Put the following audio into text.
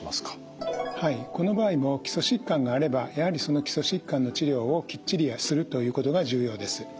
はいこの場合も基礎疾患があればやはりその基礎疾患の治療をきっちりするということが重要です。